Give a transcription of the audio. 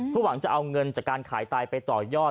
พวกมันจะเอาเงินจากการขายไตไปต่อยอด